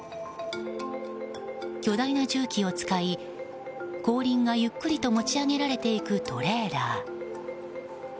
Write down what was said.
巨大な重機を使い後輪がゆっくりと持ち上げられていくトレーラー。